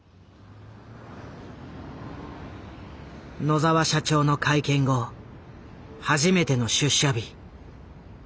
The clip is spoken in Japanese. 野澤社長の会見後初めての出社日。